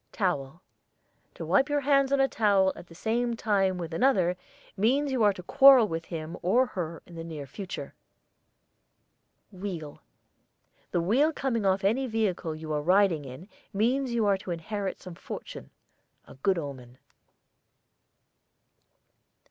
TOWEL. To wipe your hands on a towel at the same time with another, means you are to quarrel with him or her in the near future. WHEEL. The wheel coming off any vehicle you are riding in means you are to inherit some fortune, a good omen.